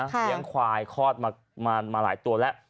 เลี้ยงควายคลอดมาหลายตัวแล้ว